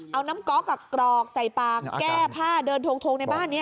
เอาน้ำก๊อกกรอกใส่ปากแก้ผ้าเดินทงในบ้านนี้